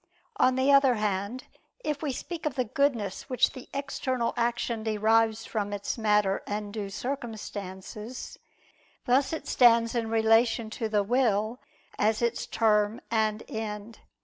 On the other hand, if we speak of the goodness which the external action derives from its matter and due circumstances, thus it stands in relation to the will as its term and end.